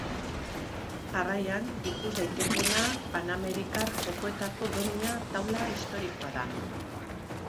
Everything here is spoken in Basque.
Jarraian ikus daitekeena Panamerikar Jokoetako domina taula historikoa da.